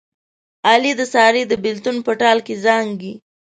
علي د سارې د بلېتون په ټال کې زانګي.